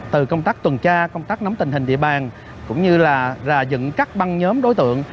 từ công tác tuần tra công tác nắm tình hình địa bàn cũng như là ra dựng các băng nhóm đối tượng